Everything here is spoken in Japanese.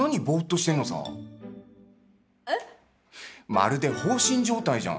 まるで放心状態じゃん！